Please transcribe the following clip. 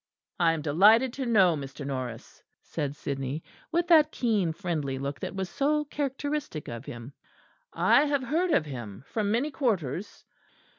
"I am delighted to know Mr. Norris," said Sidney, with that keen friendly look that was so characteristic of him. "I have heard of him from many quarters."